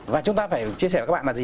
và chúng ta phải chia sẻ với các bạn là gì